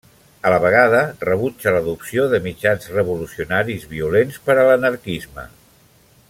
A la vegada, rebutja l'adopció de mitjans revolucionaris violents per a l'anarquisme.